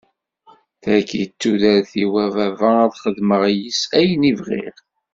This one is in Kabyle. Taki d tudert-iw a baba ad xedmeɣ yis-s ayen i bɣiɣ.